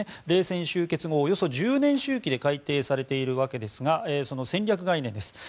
冷戦終結後、およそ１０年周期で改定されているわけですがその戦略概念です。